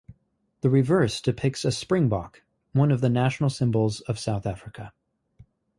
The reverse depicts a springbok, one of the national symbols of South Africa.